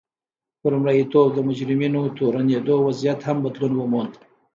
پر مریتوب د مجرمینو تورنېدو وضعیت هم بدلون وموند.